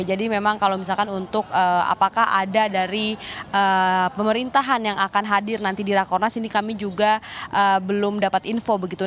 jadi memang kalau misalkan untuk apakah ada dari pemerintahan yang akan hadir nanti di rakernas ini kami juga belum dapat info begitu